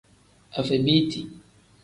Afebiiti.